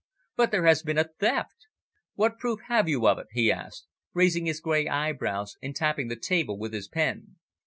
"But there has been a theft." "What proof have you of it?" he asked, raising his grey eyebrows and tapping the table with his pen.